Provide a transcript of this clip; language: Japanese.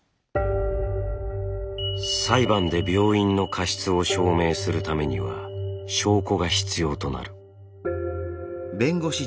裁判で病院の過失を証明するためには証拠が必要となる。